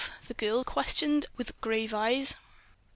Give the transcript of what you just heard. the girl questioned with grave eyes.